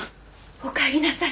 おかえりなさい。